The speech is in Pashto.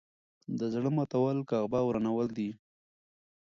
د زړه ماتول کعبه ورانول دي.